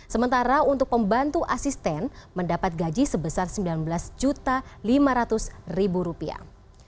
sementara untuk pembantu asisten mendapat gaji sebesar sembilan belas lima ratus rupiah